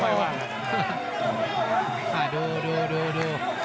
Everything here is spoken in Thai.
ค่อยว่างค่อยโดดดู